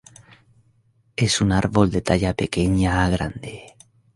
Es un árbol de talla pequeña a grande.